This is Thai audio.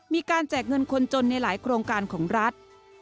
แจกเงินคนจนในหลายโครงการของรัฐ